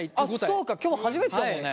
そうか今日初めてだもんね。